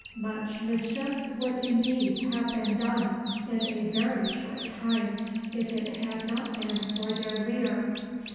Much mischief would indeed have been done in a very short time if it had not been for their leader.